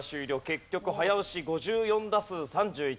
結局早押し５４打数３１安打。